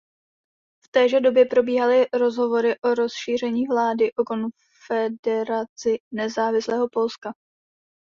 V téže době probíhaly rozhovory o rozšíření vlády o Konfederaci nezávislého Polska.